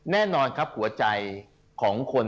แน่นอนครับหัวใจของคน